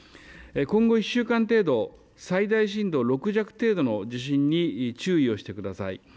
今後１週間程度、最大震度６弱程度の地震に注意をしてください。